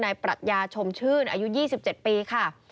ปรัชญาชมชื่นอายุ๒๗ปีค่ะ